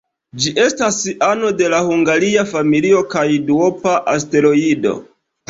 Ĝi estas ano de la Hungaria familio kaj duopa asteroido.